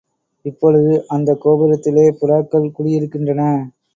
இப்பொழுது அந்தக் கோபுரத்திலே புறாக்கள் குடியிருக்கின்றன.